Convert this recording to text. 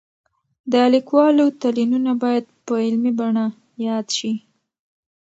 د لیکوالو تلینونه باید په علمي بڼه یاد شي.